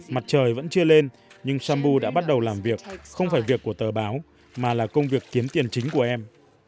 mặt trời vẫn chưa lên nhưng sambu đã bắt đầu làm việc không phải việc của tờ báo mà là công việc kiếm tiền chính của em